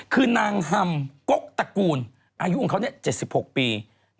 คือนางฮัมกกตระกูลอายุของเขา๗๖ปี